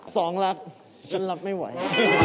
สองรักฉันรับไม่ไหว